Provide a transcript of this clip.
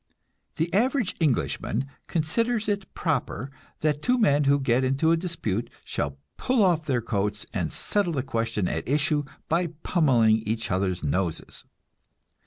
The average Englishman considers it proper that two men who get into a dispute shall pull off their coats, and settle the question at issue by pummeling each other's noses.